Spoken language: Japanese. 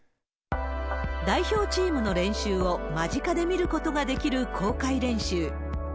代表チームの練習を間近で見ることができる公開練習。